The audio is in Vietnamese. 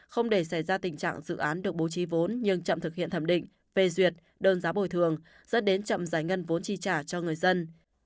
không để xảy ra tình trạng dự án được bố trí vốn nhưng chậm thực hiện thẩm định phê duyệt đơn giá bồi thường dẫn đến chậm giải ngân vốn chi trả cho người dân